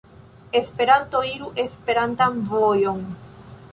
Esperanto iru Esperantan vojon.